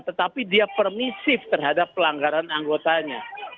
tetapi dia permisif terhadap pelanggaran anggotanya